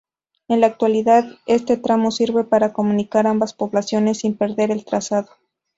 En la actualidad este tramo sirve para comunicar ambas poblaciones, sin perder el trazado.